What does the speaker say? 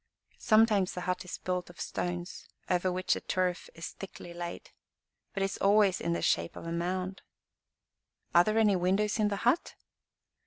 Sometimes the hut is built of stones, over which the turf is thickly laid. But it is always in the shape of a mound." "Are there any windows in the hut?"